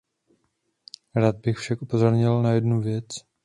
Rád bych však upozornil na jednu věc.